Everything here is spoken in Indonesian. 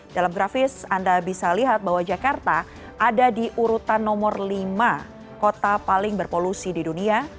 dalam grafis anda bisa lihat bahwa jakarta ada di urutan nomor lima kota paling berpolusi di dunia